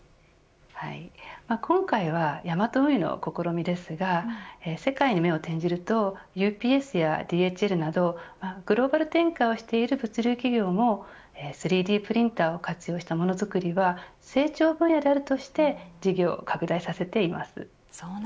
今回はヤマト運輸の試みですが世界に目を転じるとＵＰＳやＤＨＬなどグローバル展開をしている物流企業も３Ｄプリンターを活用したものづくりが成長分野であるとして事業を拡大させています。